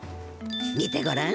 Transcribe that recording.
見てごらん。